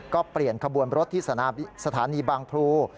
ก็เปลี่ยนขบวนรถที่สถานีบางพลู